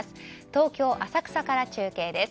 東京・浅草から中継です。